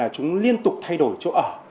chúng liên tục thay đổi chỗ ở